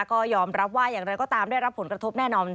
ก็ยอมรับว่าอย่างไรก็ตามได้รับผลกระทบแน่นอน